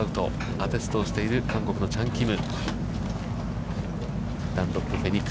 アテストをしている韓国のチャン・キム。